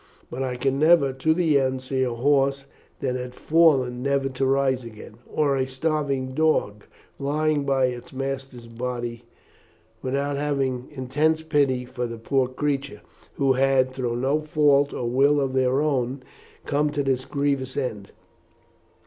But I could never, to the end, see a horse that had fallen never to rise again, or a starving dog lying by its master's body, without having intense pity for the poor creatures, who had, through no fault or will of their own, come to this grievous end.